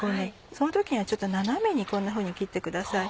その時にはちょっと斜めにこんなふうに切ってください。